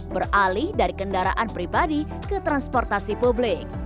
beralih dari kendaraan pribadi ke transportasi publik